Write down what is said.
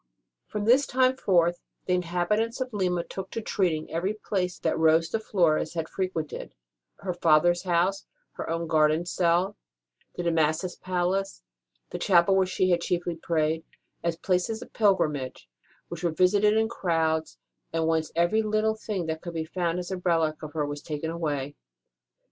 From this time forth the inhabitants of Lima took to treating every place that Rose de Flores had frequented her father s house, her own garden cell, the De Massas palace, the chapel where she had chiefly prayed as places of pilgrimage, which were visited in crowds, and whence every little thing that could be found as a relic of her was taken away.